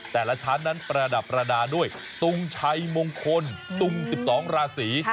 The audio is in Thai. แต่ละชั้นนั้นประดับประดาษด้วยตุงชัยมงคลตุง๑๒ราศี